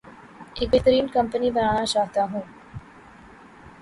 ایک بہترین کمپنی بنانا چاہتا ہوں